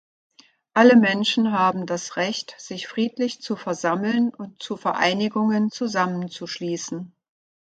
Alle Menschen haben das Recht, sich friedlich zu versammeln und zu Vereinigungen zusammenzuschließen.